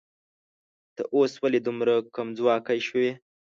ته اوس ولې دومره کمځواکی شوې